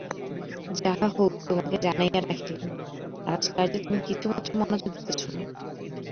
যাহা হউক তোমাকে জানাইয়া রাখিলাম, রাজকার্যে তুমি কিছুমাত্র মনোযোগ দিতেছ না।